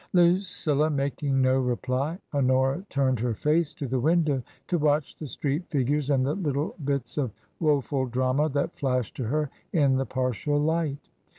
Lucilla making no reply, Honora turned her face to the window to watch the street figures and the little bits of woeful drama that flashed to her in the partial light.